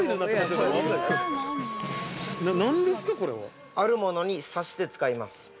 ◆あるものに刺して使います。